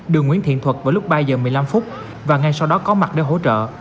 đường nguyễn thiện thuật vào lúc ba giờ một mươi năm phút và ngay sau đó có mặt để hỗ trợ